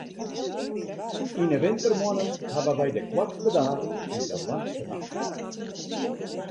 Yn 'e wintermoannen hawwe wy de koartste dagen en de langste nachten.